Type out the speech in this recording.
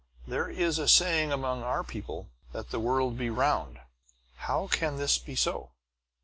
"There is a saying among our people that the world be round. How can this be so?"